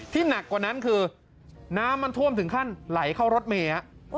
หนักกว่านั้นคือน้ำมันท่วมถึงขั้นไหลเข้ารถเมย์